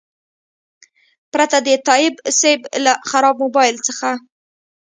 پرته د تایب صیب له خراب موبایل څخه.